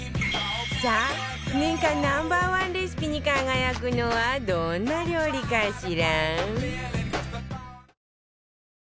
さあ年間 Ｎｏ．１ レシピに輝くのはどんな料理かしら？